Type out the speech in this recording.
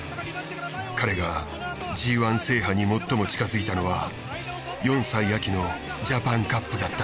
彼がＧ制覇に最も近づいたのは４歳秋のジャパンカップだった。